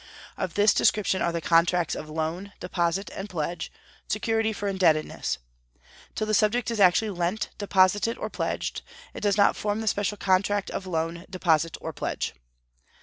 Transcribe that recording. Of this description are the contracts of loan, deposit, and pledge, security for indebtedness. Till the subject is actually lent, deposited, or pledged, it does not form the special contract of loan, deposit, or pledge."